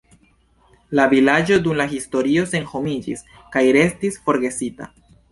La vilaĝo dum la historio senhomiĝis kaj restis forgesita.